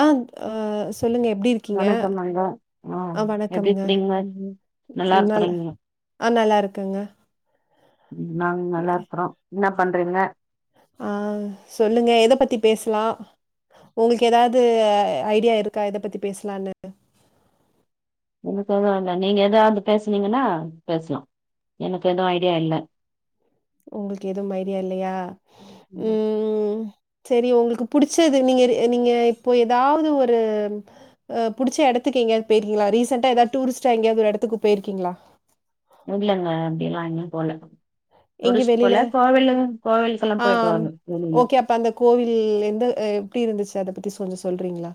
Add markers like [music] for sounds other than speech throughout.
அஹ அஹ சொல்லுங்க எப்படி இருக்கீங்க வணக்கம்ங்க ஆ ஆஹ எப்டி வணக்கம்ங்க இருக்கிறீங்க நல்லா நல்ல இருக்கறீங்க நல்லா இருக்குங்க நாங்க நல்லா இருக்கிரோம் நா பண்றீங்க ஆஹ சொல்லுங்க எத பத்தி பேசலாம உங்களுக்கு எதாவது ஐடியா இருக்கா எத பத்தி பேசலான்னு எனக்கு எதுவும் நீங்க ஏதாவது பேசனீங்கன்னா பேசலாம் எனக்கு எதுவுவூ ஐடியா இல்ல உங்களுக்கு எதுவும் மைரியா இல்லையா ம். உம் சரி உங்களுக்கு புிடிச்சது நீங்க நீங்க இப்போ ஏதாவது ஒரு புடிச்ச இடத்துக்கு எங்கயாவது போயிருக்கீங்களா ரீசண்டா ஏதாவது டூரிஸ்டா எங்கயாவது ஒர் இடத்துக்கு போயிருக்கீங்களா இல்லங்க அப்டி லா எங்கேயும் போல இங்க டூரிஸ்ட் வெளில போல கோவிலு கோவிலுக்கெல்லா போயிட்டு ஆஹ வரணு வெளில ஓகே அப்ப அந்த கோவில் எந்த எப்படி இருந்துச்சு அத பத்திசோ கொஞ்சம் சொல்றீங்களா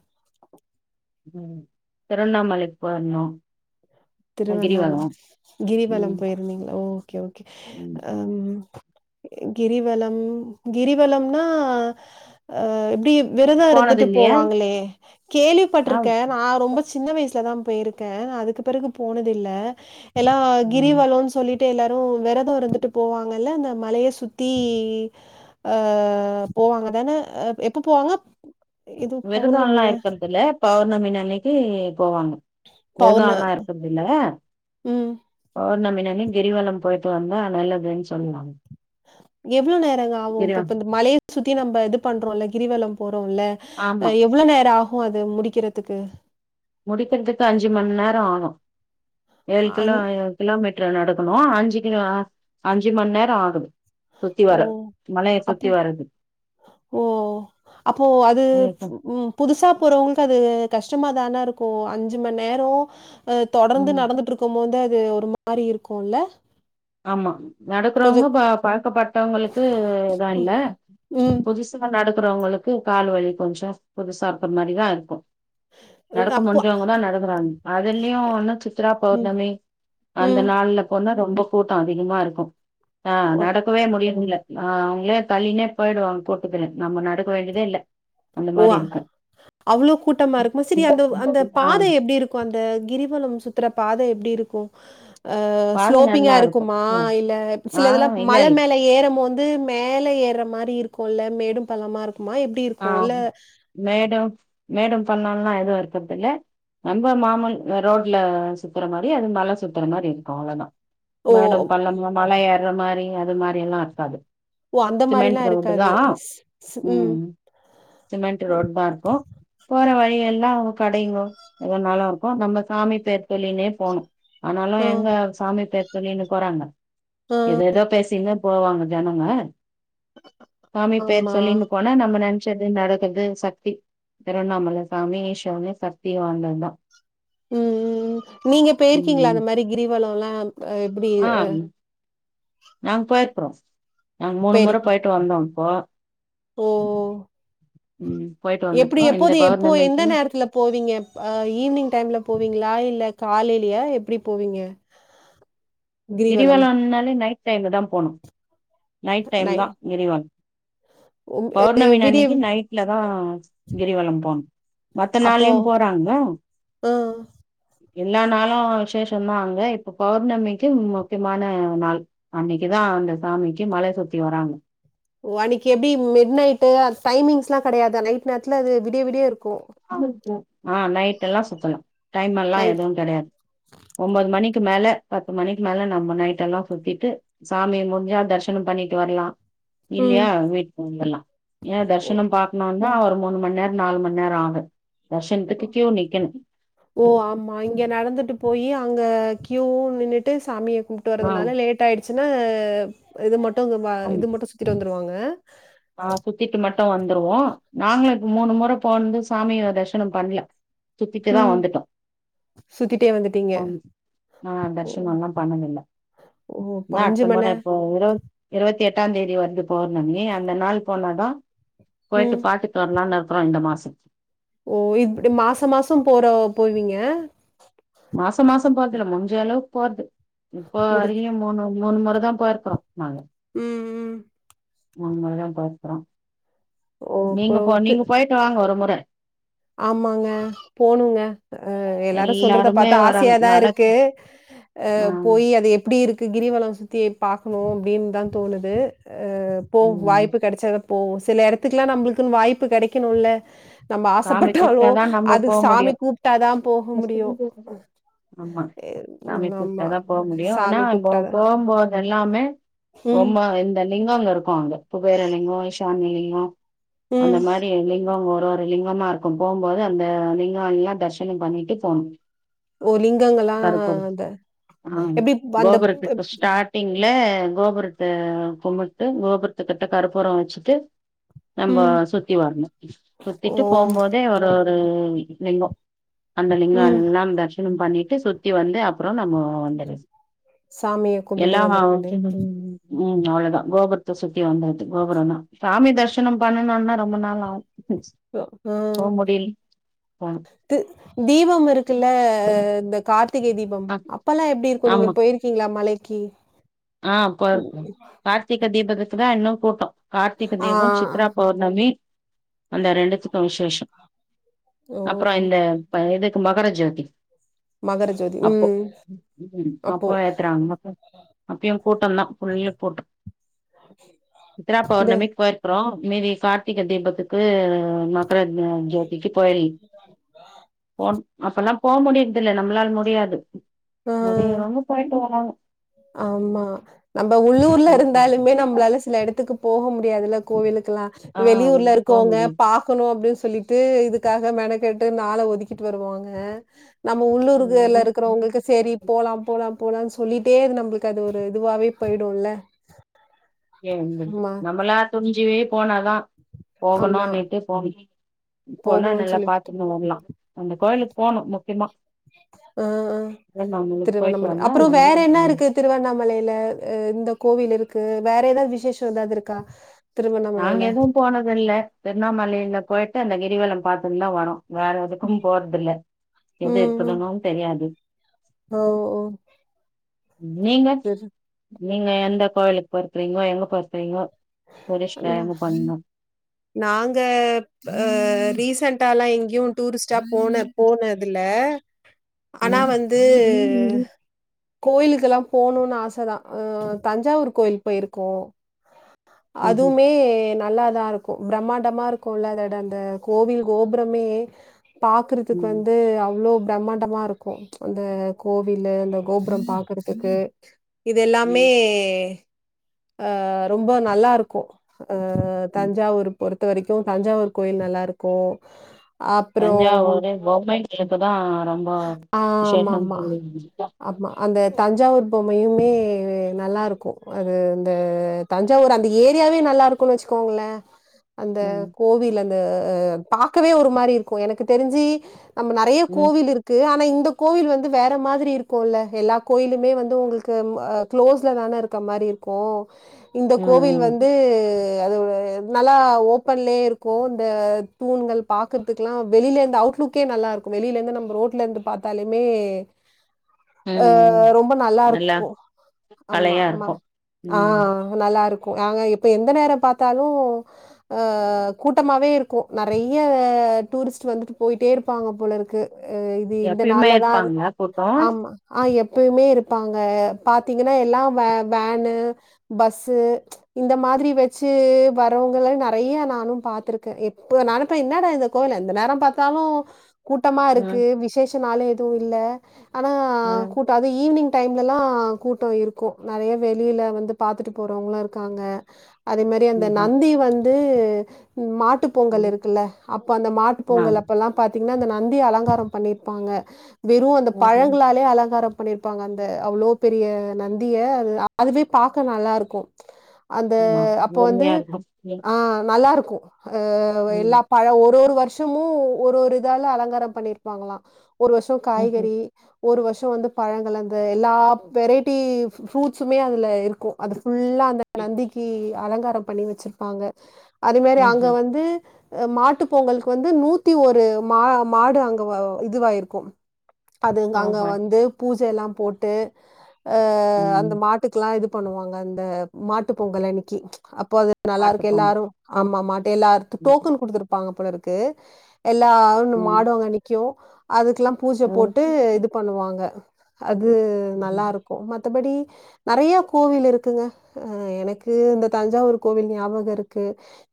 உஹம் திருவண்ணாமலைக்கு போயிருந்தோம் திருவண்ணாமலை கிரிவலம் ம் போயிருந்தீங்களா ஹ ஓகே ஓகே ம். ஹ கிரிவலம் கிரிவலம்னா அஹ எப்டி விரதம் போனது இருந்துட்டு இல்லையா போவாங்களே ஆ கேள்விப்பட்டிருக்கேன் நான் ரொம்ப சின்ன வயசுலதான் போயிருக்கேன் அதுக்கு பிறகு போனதில்லை எல்லாம் கிரிவலம்ன்னு சொல்லிட்டு எல்லாரும் விரதம் இருந்துட்டு போவாங்கல்ல இந்த மலையை சுத்தி அஹ் போவாங்க தானே எப்ப போவாங்க இது விருதுள்ளா பௌர்ணமியா இருக்கதுல ப பூ மின்னிலக்கு போவாங்க பௌர்ண விரதலாம் இருக்கிறதுல ம் பௌர்ணமின் என் கிரிவலம் போயிட்டு வந்தா நல்லதுன்னு சொல்லுவாங்க எவ்வளவு நேரங்க ஆகும் கிரிவ இப்ப மழையை சுத்தி நம்ம இது பண்றோம்ல்ல கிரிவலம் ஆமா எவ்வளவு நேரம் ஆகும் க்கும் அது முடிக்கிறதுக்கு முடிக்கிறதுக்கு அஞ்சு மணி நேரம் ஆகும் ஏழு கிலோ அந் கிலோமீட்டர் நடக்கும் அஞ்சு அஞ்சு மணி நேரம் ஆகுது சுத்தி ஓ வர மலைய அப்போ சுத்தி வரது ஓ அப்போ அது ம் உ புதுசா போறவங்களுக்கு அது கஷ்டமா தானே இருக்கும் அஞ்சு மணி நேரம் தொடர்ந்து நடந்துட்டு இருக்கும் போது இது ஒரு மாதிரி இருக்கும்ல ஆமா நடக்கறவங்க கொஞ்சம் பா பழக்கப்பட்டவங்களுக்குதான் இல்ல ம் புதுசு நட அப்புறவங்களுக்கு கால் வலி கொஞ்சம் புதுசாப்பிடற மாதிரிதான் இருக்கும் நடக்க அப்போ முடியவங்கதான் நடக்குறாங்க அதுலயும் ஒன்னும் சித்ரா ம், பௌர்ணமி அந்த ம். நாள்ல பொண்ணா ரொம்ப கூட்டம் அதிகமா இருக்கும் ஆஹ் ஒ நடக்கவே முடியும்ல ஆஹ் அவங்களே தல்லினே போயிடுவாங்க போட்டுக்கிறேன் நம்ம நடக்க வேண்டியதே இல்ல அந்த மாரி ஓவா இருக்கு அவ்ளோ கூட்டமா இருக்கும சரி அந்த அந்த ஆ பாதை எப்படி இருக்கும் அந்த கிரிவலம் சுத்தற பாதை எப்படி இருக்கும் க்கும் ஹ பாத ஸ்லோப்பிங்கா நல்லா இருக்கு இருக்குமா ம் இல்ல ஆ சில இதெல்லாம் இல்ல மலை இல் மேல ஏறம வந்து மேல ஏற மாதிரி இருக்கும் கொள்ள மேடும் பல்லமா இருக்குமா எப்படி ஆஹ மேடம் மேடம் பண்ணாலலாம் எதுவும் இருக்கதில்லை நம்ம மாமல் ரோட்டில் சுத்துற மாதிரி அது மழை சுற்றுற மாதிரி இருக்கும் அவ்வளோதான் ஓ! மேடம் பள்ளம்ல்லாம் மலைய இரு இருற மாதிரி அது மாதிரி எல்லாம் இருக்காது ஓ அந்த சிமெண்ட் மாதிரிஎல்லாம் ரோடு தா இருக்காது ஸ்ஸ்உம் ம் சிமெண்ட் ரோடு தான் இருக்கும் ப் போற வழி எல்லாம் ஒரும் கடைங்க அது நல்லா இருக்கும் நம்ம சாமி போற சொல்லினே போனும் ஆனாலும் ஆ. எங்க சாமி பே சொல்லினு போறாங்க ஏதோ ஏதோ பேசறீங்க போவாங்க ஜனங்க சாமி பெயர் ஆமா. சொல்லினு போனா நம்ம நன் என்ன நடக்குறது சக்தி திருவண்ணாமலை சாமி ஈஸ்வரன் சக்தி வாழ்ந்தவன் தான் உம் உம் நீங்க போயிருக்கீங்களா ம் அந்த மாதிரி கிரிவலம் எல்லாம் எப்படி ஆ உம் நாங்க போயிருக்கிறோம் நாங்க மூணு முறை போயிருக் போயிட்டு வந்தோம் ஹா ஓ ஓ போயிட்டு எப்படி வந்துருக்கோ இந்த எப்போது எப்போ எந்த பௌர்ணமிக்கு நேரத்துல போவீங்கப் ஈவினிங் டைம்ல போவீங்களா இல்ல காலைலயா எப்படி போவீங்க கிரிவலம் கிரிவலம்னாலே நைட் சேர்ந்துதான் போனும் நைட் டைம் நை தான் உருவம் உம் எ பௌர்ணமி விடிய அன்னைக்கு நைட்லதான் கிரிவலம் போனும் மத்த அப்போ நாளையும் போறாங்க ஆ. எல்லா நாளும் விசேஷம்தான் அங்க இப்ப பௌர்ணமி உம் முக்கியமான நாள் அன்னைக்குதான் அந்த சாமிக்கு மலை சுத்தி வராங்க ஓ அன்னைக்கு எப்படி மிட் நைட்டு டைமிங்ஸ் எல்லாம் கிடையாது நைட் நேரத்துல அது விடிய விடிய இருக்கும் ஆருத்ரா ஆஹ் நைட் எல்லாம் சுத்தலாம் டைம் எல்லாம் நைட் எதுவும் கிடையாது ஒன்பது மணிக்கு அதுக்கு மேல பத்து மணிக்கு மேல நம்ம நைட் எல்லாம் சுத்திட்டு சாமி முடிஞ்சா தரிசனம் பண்ணிட்டு வரலாம் ம். இல்லையா வீட்டுக்கு வந்துலாம் இல்லா ஓ! தர்சனம் பாக்கணும் என்னஒரு மூணு மணி நேரம் நாலு மணிநேரம் ஆகும் ஆஹ ஓ ஓ ஆமா இங்க நடந்துட்டு போயி அங்க கீழே நின்னுட்டு சாமிய நீ ஆ போறதுனால லேட் ஆயிடும் திலக இது மட்டு இல்ல இல்லஇது மட்டும் சுத்திட்டு வந்துடுவாங்க உஹ [inaudible] ஆஹ் சுத்திட்டு மட்டும் வந்துருவோம் நாங்களுக்கு மூணு முறை போநோம் சாமிய தரிசனம் பண்ணல சுத்திட்டுதான் ம். வந்துட்டோம் சுத்திட்டே வந்துட்டீங்க. ஓ! தரிசனம் எல்லாம் பண்ணலான் ஓ! அப்ப அடுத்த மணி முறை நேர இப்போ இரு இருபத்தி எட்டாம் தேதி வந்து பௌர்ணமி அந்த நாள் போனாதான் போயிட்டு ம். பாத்துட்டு வரலாம்னு இந்த மாசம் ஓ இப்படி மாச மாசம் போற போவிங்க மாசம் மாசம் போறதுல முஞ்ச அளவுக்கு போறது இப்ப முடிச் அதிக மூணு மூணு முறை தான் போயிருக்கறோம் நாங்க உம் உம் நாமல்லாம் பாக்குறோம் ஓ! நீங்க போ போத்து நீங்க போயிட்டு வாங்க ஒரு முறை [inaudible] ஆமாங்க போணுங்க அஹ் எல்லாரும் சொல்றத எல்லாருமே பார்த்தா வராங்க ஆசயாதான் நட இருக்கு ஆ அஹ் போய் அது எப்படி இருக்கு கிரிவலம் சுத்தி பார்க்கணும் அப்படின்னு தான் தோணுது போ ம் வாய்ப்பு கிடைச்சா போவோம் சில இடத்துக்குல்லாம் நம்மளுக்குனு வாய்ப்பு கிடைக்கணும்ல்ல நம்ம சாமி ஆசப்பட்டாலு கூப்பிட்டாதான் நம்ம அது போக சாமி முடியும் கூப்ட்டா தான் போக முடியும். ஆமா எ சாமி ஆமா கூப்ட்டாதான் போக முடியும் ஆனா சாமி கூப்ட்டா தான். போகும்போது எல்லாமே ம். ரொம்ப இந்த லிங்க அங்க இருக்கும் அங்க குபேர லிங்கம் ஈசா லிங்கம் அந்த ம். மாதிரி லிங்ககோ ஒருலிங்கமா இருக்கும் போகும்போது அந்த லிங்கம் எல்லாம் தரிசனம் பண்ணிட்டு போகணும் ஓ லிங்கங்களாம் அத ஆ எப்படி அந்த ல கோபுரத்தை கும்புட்டு கோபுரத்து கிட்ட கருப்புரம் வச்சுட்டு நம்ம ம். சுத்தி வரணும் ஓ! திட்டு போகும்போதே ஒரு ஒரு லிங்கம் அந்த லிங்கம் ம். எல்லாம் தர்சன ம் பண்ணிட்டு சுத்தி வந்து அப்புறம் நம்ம வந்து சாமியை கும்பிட்டு வந்துர வேண்டிய ம் அவ்வளவுதான் கோபுரத்தை சுத்தி வந்தது கோபுரம் தான் சாமி தரிசனம் பண்ணனும்னா ரொம்ப நாள் ஆவும் உஹம் போனு தீபம் இருக்குல்ல காற்று கார்த்திகை தீபம் ஆ அப்பெல்லாம் எப்படி இருக்கும் நீங்க போயிருக்கீங்களா மலைக்கு ஆஹ் போயிருக்கோ கார்த்திக தீபத்துக்கு தான் இன்னும் கூட்டம் கார்த்திகை ஆ தீபம் சித்ரா பௌர்ணமி அந்த ரெண்டுத்துக்கும் விசேஷம் ஓ! அப்புறம் இந்த வந்து மகாராஜாக்கே மகரஜோதி உம அப்போ இங்கேயும் கூட்டம் தான் புள்ளு கூட்டம் சித்ரா இந்த பெளர்ணமி போய்யிருகாங் ஆஹ் இனி கார்த்திகை தீபத்துக்கு மகரஜோதிக்கு போய் போன் அப் போக முடியுறது இல்ல நம்மளால முடியாது ஆ முடியுறவங்க போயிட்டு வராங்க ஆமா நம்ம உள்ளூர்ல இருந்தாலுமே நம்மலால சில இடத்துக்கு போக முடியா முடியாதுல கோவிலுக் பாக்கலாம் ஆ வெளியூர்ல போ இருக்குரவங்க முடியுது பாக்கணும் அப்படின்னு சொ சொல்லிட்டு இதுக்காக மெனக்கெட்டு நாளை ஒதுக்கிட்டு வருவாங்க நம்ம உள்ளூர்குள்ள இருக்கிறவங்களுக்கு செரி போலாம்ல போலான்னு சொல்லிட்டே அது நம்மளுக்கு அது ஒரு இதுவாவே போயிடும்ல ஏ ஆமா, நம்மளா துணுஞ்சிவே போனா லா ஆமா. போகலாங்கிட்டு போனே அப்பனா போகணும்னு நல்லா சொல்லி பாத்துன்னு வரலாம் அந்த கோயிலுக்கு போனும் முக்கியமா ஆஹ் ஆஹ் திருவண்ணாமலைக்கு போயிட்டு திருவண்ணாமலை ஹ வந்தா அப்புறம் நல்லா வேற என்ன இருக்கும். இருக்கு திருவண்ணாமலையில இந்த கோவில் இருக்கு வேற ஏதாவது விஷேசம் ஏதாவது இருக்கா நாங்க திருவண்ணாமலையில? எதுவும் போனது இல்ல திருவண்ணாமலையில போய் அந்த கிரிவலம் பாத்துட்டு தான் வரும் வேற எதுக்கும் போறதுயில்ல எது இருக்குதுனு தெரியாது ஹ ஓ நீங்க சரி. நீங்க எந்த கோயில் போயிருக்கீங்களோ எங்க போயிருக்கிங்களோ நாங்க ரீசன்ட் லாம் எங்கேயும் டூரிஸ்ட்டா போன போனதுல ஆனா வந்து ம் கோயிலுக்கெல்லாம் போணும்னு ஆசை தான் அஹ் தஞ்சாவூர் கோயில் போயிருக்கோம் ம் அதுமே நல்லாதான்ருக்கும் பிரம்மாண்டமா இருக்கும்ல்ல அதட அந்த கோவில் கோபுரமே பாக்குறதுக்கு ம் வந்து அவ்ளோ பிரம்மாண்டமா இருக்கும் அந்த கோவில்அந்த கோபுரம் பாக்குறதுக்கு இதெல்லாமே ம் ஆஹ் ரொம்ப நல்லாருக்கும் ம் தஞ்சாவூர் பொறுத்து த்த வரைக்கும் தஞ்சாவூர் கோயில் நல்லா இருக்கும் தஞ்சாவூர் பொம்மை இப்பதான் ஆஹ் ஆமா ஆமா ஆமா அந்த தஞ்சாவூர் பொம்மையுமே நல்லாருக்கும் அது இந்த தஞ்சாவூர் அந்த ஏரியாவே நல்லா இருக்கும் வச்சுக்கோங்களே அந்த ம் கோவில் அந்த பார்க்கவே ஒரு மாரி இருக்கும் எனக்கு தெரிஞ்சு நம்ம நெறைய ம் கோவில் இருக்கு ஆனா இந்த கோவில் வந்து வேற மாதிரி இருக்கும்ல்ல எல்லா கோயிலுமே வந்து உங்களுக்கு க்ளோஸ்ல தானே இருக்க மாதிரி இருக்கும் இந்த ம் கோவில் ம் வந்து அது நல்லா ஓபன்லே இருக்கும் அ தூண்கள் பாக்றதுக்கல்லாம் வெளியில இரு அட்லுக்கே நல்லா இருக்கும் வெளியில இருந்து நம்ம ரோட வல இருந்து பார்த்தாலுமே ம் ம் அஹ் ரொம்ப நல்லா இருக்கும்ப்ப ஆமா கலையா ஆமா இருக்கு ம் ஆஹ் நல்லா ருக்கு நாங்க இப்ப எந்த நேரம் பாத்தாலும் அஹ் கூட்டமாவே இருக்கும் நிறைய டூரிஸ்ட் வந்துட்டு போயிட்டே இருப்பாங்க போல இருக்கு இது இந்த எப்பயுமே நாள்ல தான் இருப்பாங்களா கூட்டோ ஆமா ஆ எப் எப்பயுமே இருப்பாங்க பாத்தீங்கன்னா எல்லாம் வேன் பஸ்இந்த மாதிரி வச்சு வரவங்கள நெறைய நானும் பாத்திருக்கேன் எப்ப நானுப்ப என்னடா இந்த கோவில்எந்த நேரம் பாத்தாலும் கூட்டமா ம் விசேஷ னாலும் எதுவும் இல் ஆனா ம் கூட்டாது ஈவி்னிங் டைம்ல எல்லாம் கூட்டம் இருக்கும் நிறைய வெளியில வந்து பாத்துட்டு போறவங்களாம் இருக்காங்க அதே மாரி அந்த ம் ஆ நந்தி வந்து [unintelligible] மாட்டு பொங்கல் ம் இருக்குல்ல அப்ப அந்த மாட்டு ஆ பொங்கல் அப்பல்லாம் பாத்தீ இன்னும் அந்த நந்தி அலங்காரம் பண்ணிருப்பாங்க வெறும் அந்த ம்ஹும் பழங்களாலே அலங்காரம் பண்ணியிருப்பாங்க அந்த அவ்ளோ பெரிய நந்திய அது அதுவே பாக்க நல்லா இருக்கும் அந்த ஆமா அப்போ வந்து அருமையா இருக்கு ஆ நல்லா இருக்கும் கு ஆ ம் எல்லா பழ ஒரு ஒரு வருஷம் இன்னமு ஒரு ஒரு இதால அலங்காரம் பண்ணிரு பாக்கலாம் ஒரு வருஷோம் ம்ஹும் காய்கறி ஒரு வருஷோம் வந்து பழங்கள் அந்த எல்லா வெரைட்டி ஃப்ரூட்ஸுமே அதில இருக்கும் அதுக்கு ஃபுல்லா அந்த நந்திக்கு அலங்காரம் பண்ணி வச்சிருப்பாங்க அது மாரி அங்க ம்ஹும் வந்து மாட்டு பொங்கலுக்கு வந்து நூத்தி ஒரு மா மாடு அங்க இதுவாயிருக்கும் அதுங்க ஆஹா வந்து பூஜ எல்லாம் போட்டு அந்த ம் மாட்டுக்கெலாம் இது பண்ணுவாங்க அந்த மாட்டு பொங்கல் அன்னைக்கு அப்ப இப்போது நல்லா பாட்டு இருக்கு பொங்கல் எல்லாரும் ஆமாமாட்ட எல்லாருத்தக்கும் ம் டோக்கன் குடுத்துருப்பாங்க போல இருக்கு க்கு எல்லா ன்ன ம் மாடும் அங்க நிக்கும் அது லாம் பூஜ போட்டு இது ம் பண்ணுவாங்க அது நல்லாருக்கும் மத்தபடி நெறைய கோவில் இருக்குங்க எனக்கு இந்த தஞ்சாவூர் கோவில் ஞாபகம் இருக்கு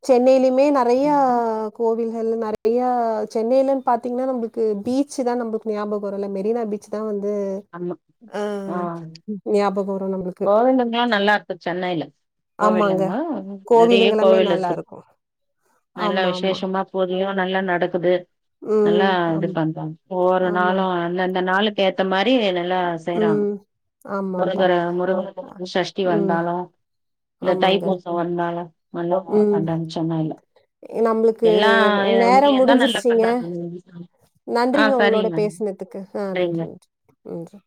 சென்னையிலயும் மே நெறைய ம் கோவில் நெறைய சென்னையில பாத்தீங்கன்னா நம்மளுக்கு பீச் தான் நமக்கு ஞாபகம் வருல்ல மெரினா பீச் தான் வந்து வந்து ஆமா ஆ ஞாபகம் வரும் நம்பளுக்கு. கோவிலுங்களும் நல்லா இருக்கு சென்னையில ஆமாங்க. கோவிலுங்களும் நெறைய கோவிலுங்களுமே கோவில் இருக்குது நல்லாருக்கும். நல்ல ஆமா, ஆமா. விசேஷமா பூஜயும் நல்லா நடக்குது ம். நல்லா இது ஆமா, பண்றாங்க ஒவ்வொரு ஆமா. நாளும் அந்தந்த நாளு ே [unintelligible] நல்லா செய்றாங்கறை ம். ஆமாம்ப்பா. அ [unintelligible] சஷ்டி ம். வந்தாலும் இந்த தைப்புசம் வந்தள உம் நம்மளுக்கு எல்லா நேரம் ஊர்லயுந்தா நல்லா முடிஞ்சிருச்சீங்க பண்றாங்க ஆ நன்றிங்க உங்களோட சரிங்க பேசினதுக்கு ஆஹ் நன்றிங்க நன்றி நன்றி நன்றி